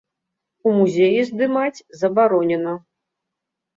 У музеі здымаць забаронена.